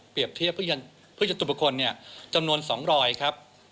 เปรียบเทียบพื้นธุปุ่นคนเนี่ยจำนวน๒๐๐ครับ